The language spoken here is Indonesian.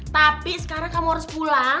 tapi sekarang kamu harus pulang